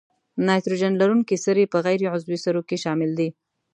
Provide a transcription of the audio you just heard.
نایتروجن لرونکي سرې په غیر عضوي سرو کې شامل دي.